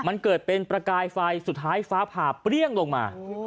มันเกิดเป็นประกายไฟสุดท้ายฟ้าผ่าเปรี้ยงลงมา